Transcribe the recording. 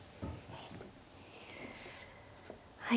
はい。